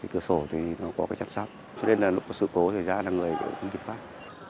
cơ sổ thì nó có trạm sát cho nên là lúc có sự cố thì ra là người không kịp phát